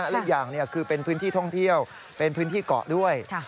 และอีกอย่างคือเป็นพื้นที่ท่องเที่ยวเป็นพื้นที่เกาะด้วย